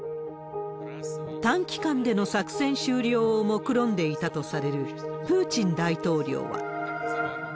短期間での作戦終了をもくろんでいたとされるプーチン大統領は。